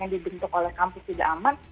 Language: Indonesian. yang dibentuk oleh kampus tidak aman